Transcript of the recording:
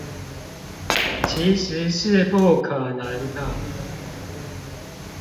其實是不可能的